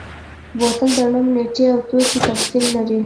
بوتل د نوم، نیټې او توکي تفصیل لري.